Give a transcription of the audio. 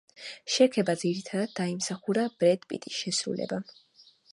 შექება ძირითადად დაიმსახურა ბრედ პიტის შესრულებამ.